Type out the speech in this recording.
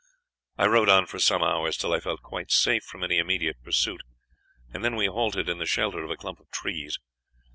"I rode on for some hours, till I felt quite safe from any immediate pursuit, and then we halted in the shelter of a clump of trees.